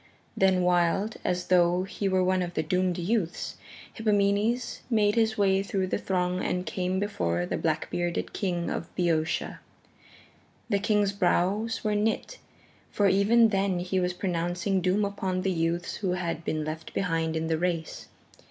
Then wild, as though he were one of the doomed youths, Hippomenes made his way through the throng and came before the black bearded King of Boeotia. The king's brows were knit, for even then he was pronouncing doom upon the youths who had been left behind in the race.